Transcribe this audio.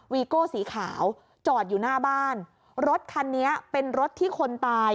โก้สีขาวจอดอยู่หน้าบ้านรถคันนี้เป็นรถที่คนตาย